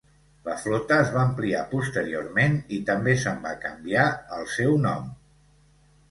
La flota es va ampliar posteriorment i també se"n va canviar el seu nom.